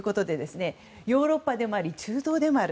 ヨーロッパでもあり中東でもある。